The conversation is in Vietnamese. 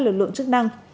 lực lượng chức năng